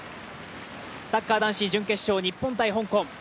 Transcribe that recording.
サッカー男子準決勝、日本×香港。